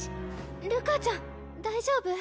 瑠夏ちゃん大丈夫？